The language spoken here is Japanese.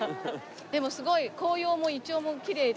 でもすごい紅葉もイチョウもきれいで。